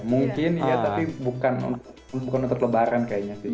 mungkin ya tapi bukan untuk lebaran kayaknya